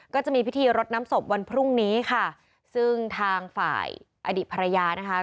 ก็จะมีพิธีรดน้ำศพวันพรุ่งนี้ค่ะซึ่งทางฝ่ายอดีตภรรยานะคะ